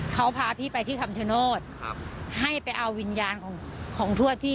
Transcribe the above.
เขาพาพี่ไปที่คำชโนธให้ไปเอาวิญญาณของทวดพี่